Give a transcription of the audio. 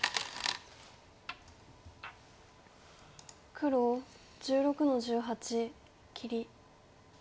黒１６の十八切り。